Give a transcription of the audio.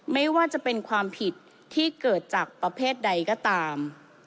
ไม่ว่าจะเป็นความผิดที่เกิดจากประเภทใดก็ตาม